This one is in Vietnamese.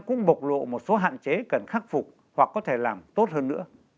cũng bộc lộ một số hạn chế cần khắc phục hoặc có thể làm tốt hơn nữa